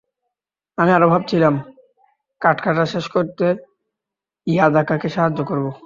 আমি আরো ভাবছিলাম, কাঠ কাটা শেষ করতে ইয়াদাকা কে সাহায্য করব।